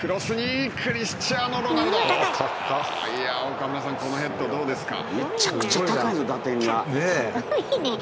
岡村さん、このヘッドどうですか。